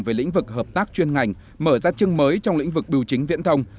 về lĩnh vực hợp tác chuyên ngành mở ra chương mới trong lĩnh vực biểu chính viễn thông